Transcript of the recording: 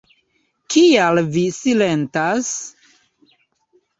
Kial vi silentas?